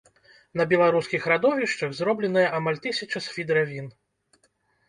На беларускіх радовішчах зробленая амаль тысяча свідравін.